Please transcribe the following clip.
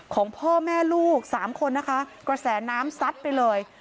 ของพ่อแม่ลูกสามคนนะคะกระแสน้ำซัดไปเลย